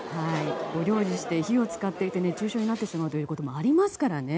お料理して火を使っていて熱中症になってしまうということもありますからね。